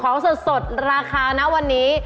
ของสดราคานะวันนี้